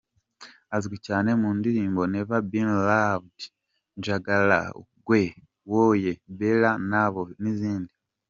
Azwi cyane mu ndirimbo “Never Been Loved”, “Njagala gwe”, "Wooye", “Beera Naabo” n’izindi.